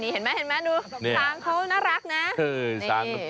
เห็นไหมดูช้างเขาน่ารักนะ